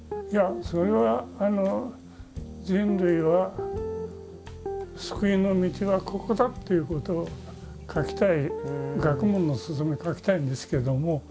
いやそれは人類は救いの道はここだっていうことを書きたい「学問のすゝめ」書きたいんですけども。